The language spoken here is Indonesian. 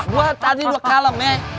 gua tadi lu kalem ya